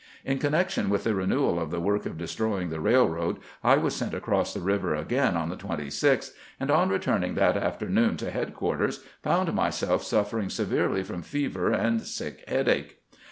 In connection with the renewal of the work of destroying the railroad, I was sent across the river again on the 26th, and on returning that afternoon to headquarters found myself suffering severely from fever andsick headache.